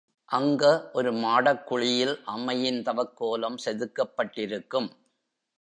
அங்க ஒரு மாடக்குழியில் அம்மையின் தவக்கோலம் செதுக்கப்பட்டிருக்கும்.